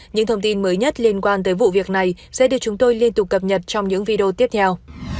những thông tin mới nhất liên quan tới vụ việc này sẽ được chúng tôi liên tục cập nhật trong những video tiếp theo